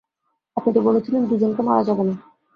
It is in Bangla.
আপনি তো বলেছিলেন দুজনকে মারা যাবে না।